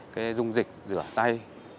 cái dung dịch rửa tay